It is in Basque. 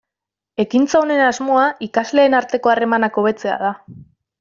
Ekintza honen asmoa ikasleen arteko harremanak hobetzea da.